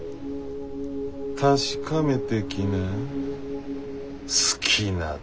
確かめてきな。